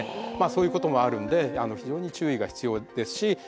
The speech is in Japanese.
そういうこともあるんで非常に注意が必要ですし。